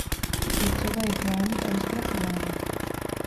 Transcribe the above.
Je třeba je chránit a rozpracovávat.